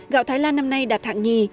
gạo thái lan năm nay đạt thạng nhì